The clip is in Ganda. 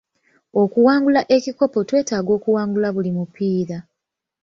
Okuwangula ekikopo twetaaga okuwangula buli mupiira.